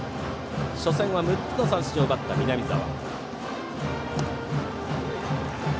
初戦は６つの三振を奪った南澤。